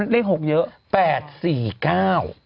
เลข๖เยอะ